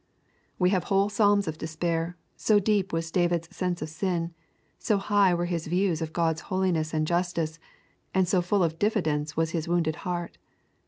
We have whole psalms of despair, so deep was David's sense of sin, so high were his views of God's holiness and justice, and so full of diffidence was his wounded heart.